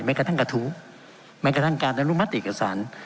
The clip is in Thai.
กระทั่งกระทู้แม้กระทั่งการอนุมัติเอกสาร